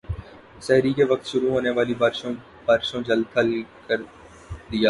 سحری کے وقت شروع ہونے والی بارشوں جل تھل کر دیا